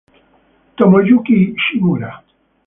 Tomoyuki Shimura